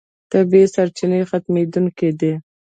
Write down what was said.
طبیعي سرچینې ختمېدونکې دي.